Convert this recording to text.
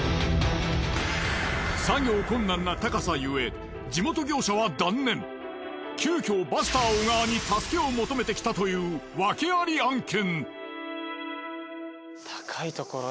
作業困難な高さゆえ急遽バスター小川に助けを求めてきたというワケあり案件。